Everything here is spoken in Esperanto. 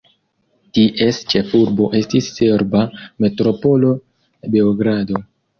Ties ĉefurbo estis serba metropolo Beogrado.